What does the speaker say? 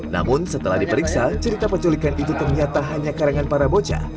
namun setelah diperiksa cerita penculikan itu ternyata hanya karangan para bocah